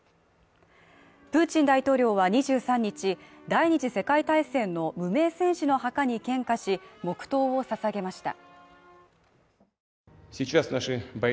プーチン大統領は２３日、第二次世界大戦の無名戦士の墓に献花し、黙とうを捧げました。